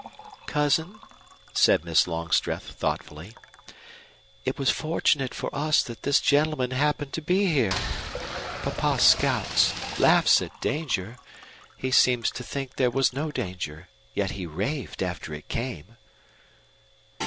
"Cousin," said Miss Longstreth, thoughtfully, "it was fortunate for us that this gentleman happened to be here. Papa scouts laughs at danger. He seemed to think there was no danger. Yet he raved after it came."